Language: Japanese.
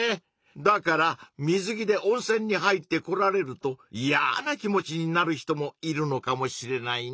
だから水着で温泉に入ってこられるといやな気持ちになる人もいるのかもしれないね。